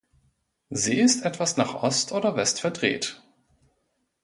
Sie ist etwas nach Ost oder West verdreht.